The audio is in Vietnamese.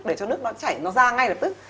để cho nước nó chảy nó ra ngay lập tức